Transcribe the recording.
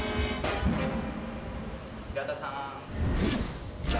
平田さーん。